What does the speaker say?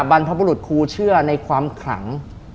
บรรพบุรุษครูเชื่อในความขลัง